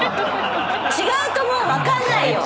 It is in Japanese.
違うともうわかんないよ。